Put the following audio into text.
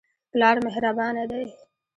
پلار مهربانه دی.